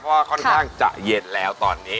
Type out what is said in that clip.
เพราะว่าค่อนข้างจะเย็นแล้วตอนนี้